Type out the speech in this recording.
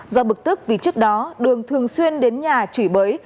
do bực tức vì trước đó đường thường xuyên đến nhà chửi bới